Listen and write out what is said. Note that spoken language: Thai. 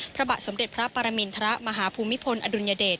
พระบาทสมเด็จพระปรมินทรมาฮภูมิพลอดุลยเดช